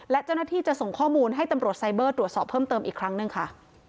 และเจ้าหน้าที่จะส่งข้อมูลให้ตำรวจไซเบอร์ตรวจสอบเพิ่มเติมอีกครั้งหนึ่งค่ะ